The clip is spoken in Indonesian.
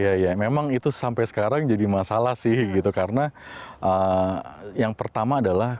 iya ya memang itu sampai sekarang jadi masalah sih gitu karena yang pertama adalah